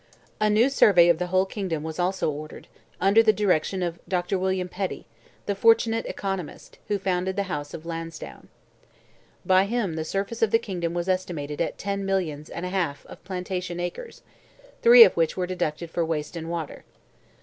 A new survey of the whole kingdom was also ordered, under the direction of Dr. William Petty, the fortunate economist, who founded the house of Lansdowne. By him the surface of the kingdom was estimated at ten millions and a half plantation acres, three of which were deducted for waste and water.